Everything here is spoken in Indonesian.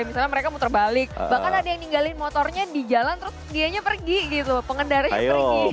misalnya mereka muter balik bahkan ada yang ninggalin motornya di jalan terus dianya pergi gitu pengendaranya pergi